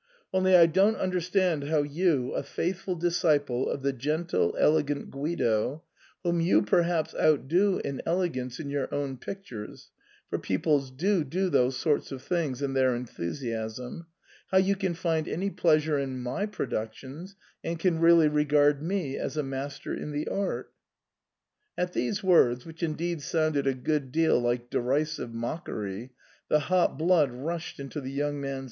Only I don't understand how you, a faithful disciple of the gentle, elegant Guido, whom you perhaps outdo in elegance in your own pictures — for pupils do do those sort of things in their enthusiasm — how you can find any pleasure in my productions, and can really regard me as a master' in the Art." At these words, which indeed sounded a good deal like derisive mockery, the hot blood rushed into the young man's face.